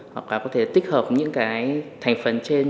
hoặc là có thể tích hợp những cái thành phần trên